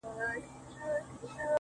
د پنجابي استعمار بخت بیدار دی